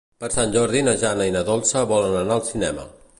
Per Sant Jordi na Jana i na Dolça volen anar al cinema.